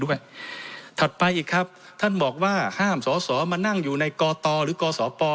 ถัดไปอีกครับท่านบอกว่าห้ามสอสอมานั่งอยู่ในกตหรือกศป